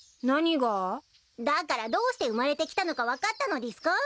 だからどうして生まれてきたのか分かったのでぃすか？